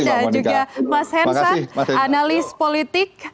dan juga mas hensat analis politik